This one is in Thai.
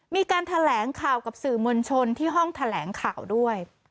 มีการแถลงข่าวกับสื่อมวลชนที่ห้องแถลงข่าวด้วย